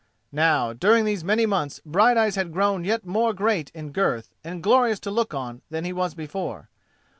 Now, during these many months Brighteyes had grown yet more great in girth and glorious to look on than he was before.